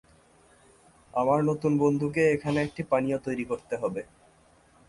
আমার নতুন বন্ধুকে এখানে একটি পানীয় তৈরি করতে হবে।